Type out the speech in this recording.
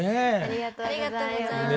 ありがとうございます。